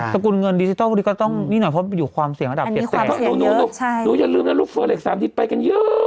สกุลเงินดิจิทัลก็ต้องนี่หน่อยเพราะมันอยู่ความเสี่ยงระดับ๘แต่